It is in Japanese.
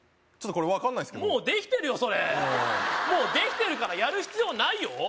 ちょっとこれ分かんないんすけどもうできてるよそれもうできてるからやる必要ないよ